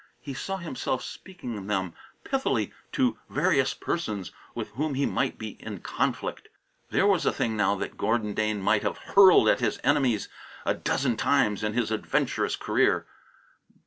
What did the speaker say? He saw himself speaking them pithily to various persons with whom he might be in conflict. There was a thing now that Gordon Dane might have hurled at his enemies a dozen times in his adventurous career.